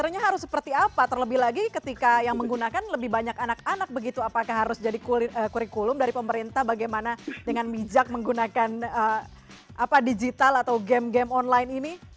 sebenarnya harus seperti apa terlebih lagi ketika yang menggunakan lebih banyak anak anak begitu apakah harus jadi kurikulum dari pemerintah bagaimana dengan bijak menggunakan digital atau game game online ini